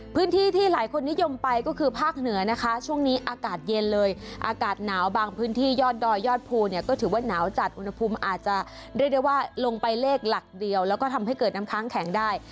พื้นที่ที่หลายคนนิยมไปก็คือภาคเหนือนะคะช่วงนี้อากาศเย็นเลยอากาศหนาวบางพื้นที่ยอดดอยยอดภูเนี่ยก็ถือว่าหนาวจัดอุณหภูมิอาจจะเรียกได้ว่าลงไปเลขหลักเดียวแล้วก็ทำให้เกิดน้ำค้างแข็งได้